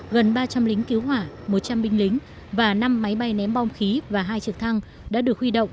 gần ba trăm linh lính cứu hỏa một trăm linh binh lính và năm máy bay ném bom khí và hai trực thăng đã được huy động